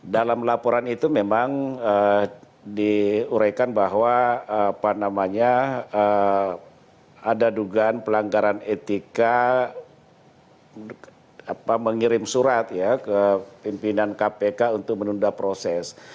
dalam laporan itu memang diuraikan bahwa ada dugaan pelanggaran etika mengirim surat ya ke pimpinan kpk untuk menunda proses